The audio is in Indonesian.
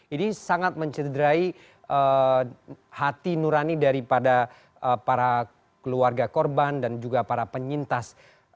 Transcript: ini sangat mencederai hati nurani daripada para keluarga korban dan juga para penyintas